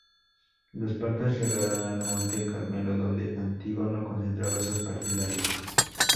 Los partos llegaron al monte Carmelo, donde Antígono concentraba sus partidarios.